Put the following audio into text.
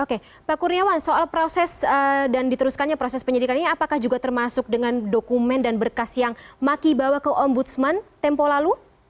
oke pak kurniawan soal proses dan diteruskannya proses penyidikannya apakah juga termasuk dengan dokumen dan berkas yang maki bawa ke ombudsman tempo lalu